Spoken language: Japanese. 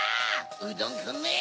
うどんくんめ！